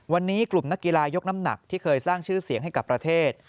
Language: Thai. วันนี้กลุ่มนักกีฬายกน้ำหนักที่เคยสร้างชื่อเสียงให้กับประเทศ